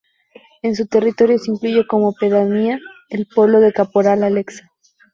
En su territorio se incluye como pedanía el pueblo de Caporal Alexa.